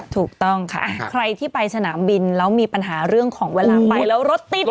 ถูกต้องค่ะใครที่ไปสนามบินแล้วมีปัญหาเรื่องของเวลาไปแล้วรถติด